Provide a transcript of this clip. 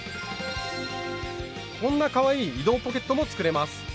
こんなかわいい「移動ポケット」も作れます。